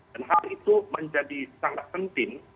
dan hal itu menjadi sangat penting